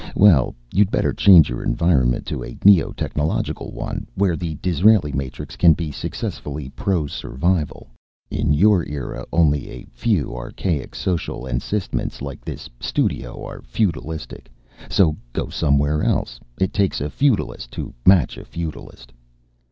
Well, you'd better change your environment to a neo technological one, where the Disraeli matrix can be successfully pro survival. In your era, only a few archaic social encystments like this studio are feudalistic, so go somewhere else. It takes a feudalist to match a feudalist."